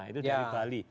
itu dari bali